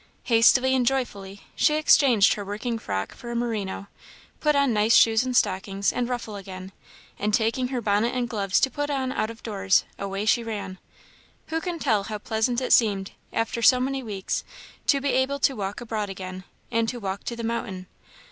Hastily and joyfully she exchanged her working frock for a merino, put on nice shoes and stockings, and ruffle again, and taking her bonnet and gloves to put on out of doors, away she ran. Who can tell how pleasant it seemed, after so many weeks, to be able to walk abroad again, and to walk to the mountain!